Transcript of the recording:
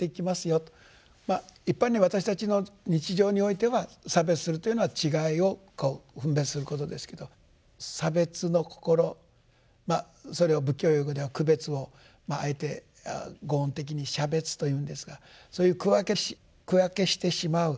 一般に私たちの日常においては差別するというのは違いを分別することですけど差別の心それを仏教用語では区別をあえて呉音的に「シャベツ」というんですがそういう区分けしてしまう。